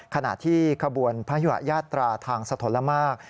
ขณะที่ขบวนพระยุหายาตราทางสะทนละมาก